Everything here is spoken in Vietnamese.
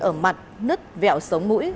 ở mặt nứt vẹo sống mũi